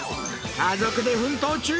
家族で奮闘中！